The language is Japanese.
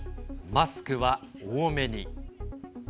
マスクは多めに。